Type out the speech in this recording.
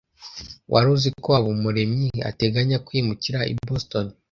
Wari uzi ko Habumuremyi ateganya kwimukira i Boston?